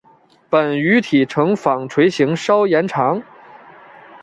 本鱼体成纺锤型稍延长。